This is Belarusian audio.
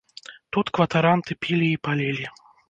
Тут кватаранты пілі і палілі.